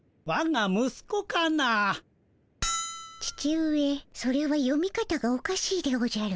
父上それは読み方がおかしいでおじゃる。